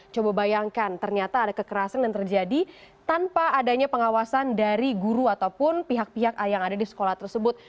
coba bayangkan ternyata ada kekerasan yang terjadi tanpa adanya pengawasan dari guru ataupun pihak pihak yang ada di sekolah tersebut